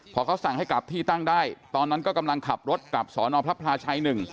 พอเขาสั่งให้กลับที่ตั้งได้ตอนนั้นก็กำลังขับรถกลับสอนอพระพลาชัย๑